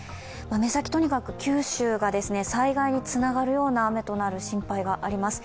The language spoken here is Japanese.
目先、とにかく九州が災害につながるような雨となる心配があります。